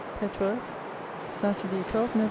_Petworth, Saturday, 12th Nov.